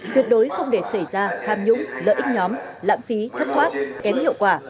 tuyệt đối không để xảy ra tham nhũng lợi ích nhóm lãng phí thất thoát kém hiệu quả